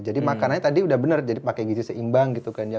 jadi makanannya tadi udah bener jadi pakai gizi seimbang gitu kan ya